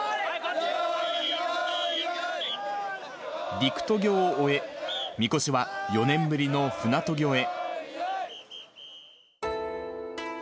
陸渡御を終え、みこしは４年ぶりの船渡御へ。